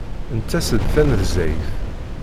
Nettas-d tanezzayt.